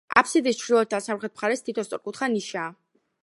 აბსიდის ჩრდილოეთ და სამხრეთ მხარეს თითო სწორკუთხა ნიშაა.